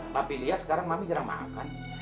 papi lihat sekarang mami jarang makan